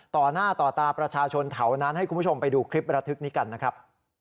ต่อหน้าต่อตาประชาชนแถวนั้นให้คุณผู้ชมไปดูคลิประทึกนี้กันนะครับ